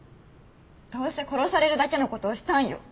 どうせ殺されるだけの事をしたんよ。